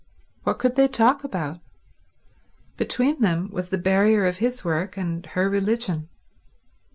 What could they talk about? Between them was the barrier of his work and her religion.